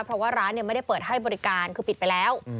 เพราะว่าร้านไม่ได้เปิดให้บริการคือปิดไปแล้ว